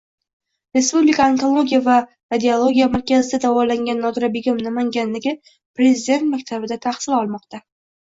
Respublika onkologiya va radiologiya markazida davolangan Nodirabegim Namangandagi Prezident maktabida tahsil olmoqda